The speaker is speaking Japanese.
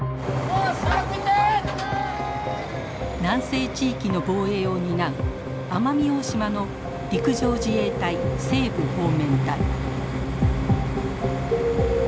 南西地域の防衛を担う奄美大島の陸上自衛隊西部方面隊。